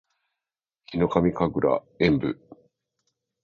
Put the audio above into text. ヒノカミ神楽炎舞（ひのかみかぐらえんぶ）